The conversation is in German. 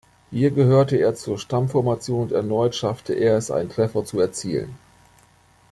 Hier gehörte er zur Stammformation und erneut schaffte er es einen Treffer zu erzielen.